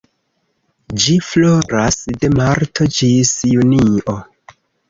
Ĝi floras de marto ĝis junio.